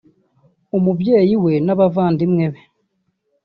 umubyeyi we n’abavandimwe be